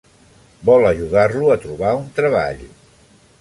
Vol ajudar-lo a trobar un treball.